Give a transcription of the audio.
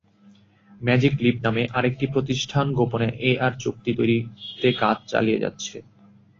Magic leap নামের আরেকটি প্রতিষ্ঠান গোপনে এআর প্রযুক্তি তৈরিতে কাজ চালিয়ে যাচ্ছে।